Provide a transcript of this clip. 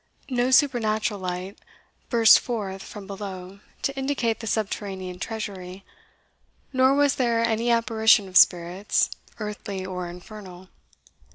No supernatural light burst forth from below to indicate the subterranean treasury, nor was there any apparition of spirits, earthly or infernal.